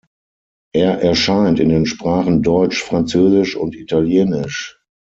Er erscheint in den Sprachen Deutsch, Französisch und Italienisch.